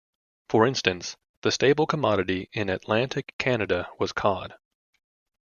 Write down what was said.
For instance, the staple commodity in Atlantic Canada was cod.